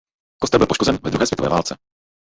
Kostel byl poškozen ve druhé světové válce.